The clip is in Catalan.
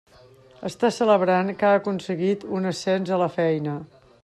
Està celebrant que ha aconseguit un ascens a la feina.